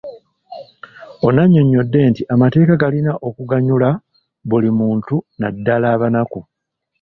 Ono annyonnyodde nti amateeka galina okuganyula buli muntu naddala abanaku